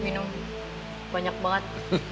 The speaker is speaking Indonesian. minum banyak banget